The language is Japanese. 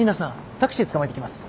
タクシーつかまえてきます。